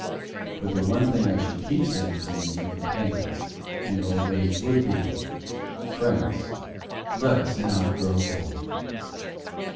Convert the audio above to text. But the one thing I should keep saying to you, my companions in old age, would be, "Friends, let us not grow old."